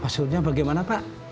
maksudnya bagaimana pak